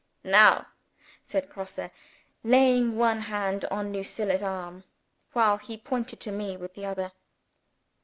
"Now!" said Grosse, laying one hand on Lucilla's arm, while he pointed to me with the other.